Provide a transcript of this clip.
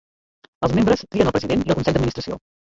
Els membres trien el president i el consell d'administració.